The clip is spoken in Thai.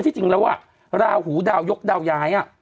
จริงแล้วราหูดาวยกดาวย้าย